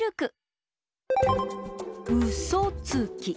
「うそつき」。